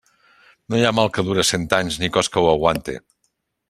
No hi ha mal que dure cent anys, ni cos que ho aguante.